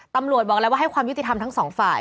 ตำรวจบอกแล้วว่าให้ความยุติธรรมทั้งสองฝ่าย